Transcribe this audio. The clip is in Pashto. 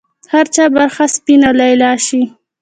د هر چا برخه سپینه لیلا شي